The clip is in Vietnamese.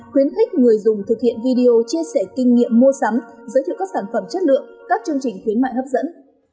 khuyến khích người dùng thực hiện video chia sẻ kinh nghiệm mua sắm giới thiệu các sản phẩm chất lượng các chương trình khuyến mại hấp dẫn